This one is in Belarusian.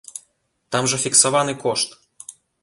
Там жа фіксаваны кошт!